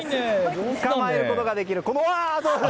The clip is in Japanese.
つかまえることができる。